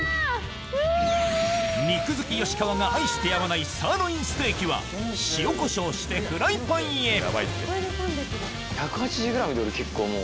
肉好き吉川が愛してやまないサーロインステーキは塩コショウしてフライパンへ俺結構もう。